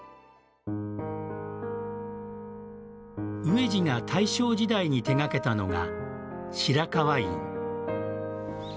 植治が大正時代に手掛けたのが白河院。